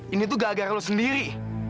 ini tuh gak gara gara lo sendiri